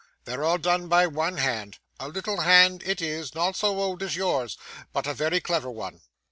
They're all done by one hand; a little hand it is, not so old as yours, but a very clever one.